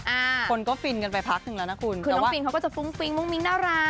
อ่าคนก็ฟินกันไปพักหนึ่งแล้วนะคุณคือน้องฟินเขาก็จะฟุ้งฟิ้งมุ้งมิ้งน่ารัก